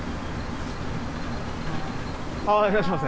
いらっしゃいませ。